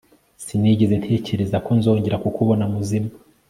Sinigeze ntekereza ko nzongera kukubona muzima